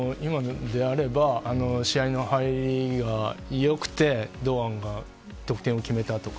今であれば、試合の入りがよくて堂安が得点を決めたとか。